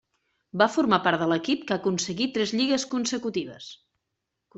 Va formar part de l'equip que aconseguí tres lligues consecutives.